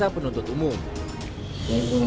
jaksa penuntut umum